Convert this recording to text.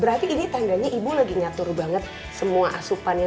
berarti ini tandanya ibu lagi nyatur banget semua asupan yang ini